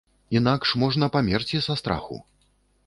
Інакш можна памерці са страху.